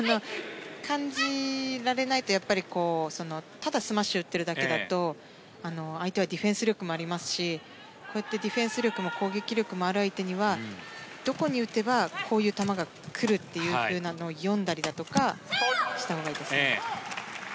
感じられないとただスマッシュを打ってるだけだと相手はディフェンス力もありますしこうやってディフェンス力も攻撃力もある相手にはどこに打てばこういう球が来るというのを読んだりだとかしたほうがいいですね。